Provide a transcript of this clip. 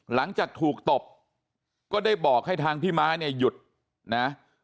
หลังจากถูกตบก็ได้บอกให้ทางพี่ม้าเนี่ยหยุดนะ